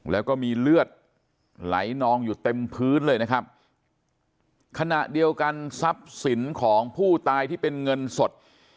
แล้วก็มีเลือดไหลนองอยู่เต็มพื้นเลยนะครับขณะเดียวกันทรัพย์สินของผู้ตายที่เป็นเงินสด